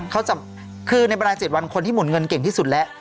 เขาจะคือในเวลา๗วันคนที่หมุนเงินเก่งที่สุดแล้ว